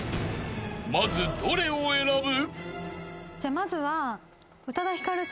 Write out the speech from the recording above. ［まずどれを選ぶ？］